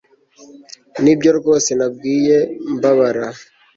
Nibyo rwose nabwiye Mbaraga